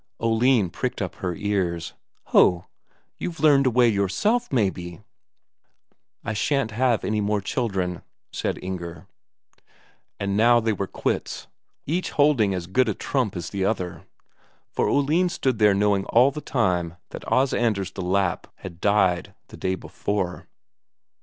Oline pricked up her ears: "Ho, you've learned a way yourself, maybe?" "I shan't have any more children," said Inger. And now they were quits, each holding as good a trump as the other: for Oline stood there knowing all the time that Os Anders the Lapp had died the day before....